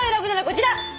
こちら。